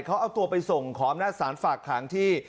เขาเอาตัวไปส่งขอบหน้าศาลฝากข่างที่